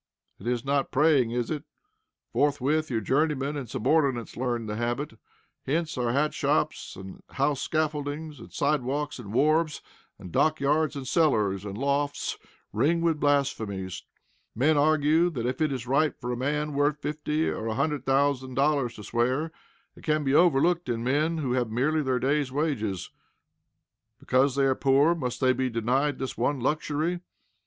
It is not praying, is it? Forthwith, your journeymen and subordinates learn the habit. Hence our hat shops, and house scaffoldings, and side walks, and wharves, and dockyards, and cellars, and lofts ring with blasphemies. Men argue that, if it is right for a man worth fifty or a hundred thousand dollars to swear, it can be overlooked in men who have merely their day's wages. Because they are poor must they be denied this one luxury?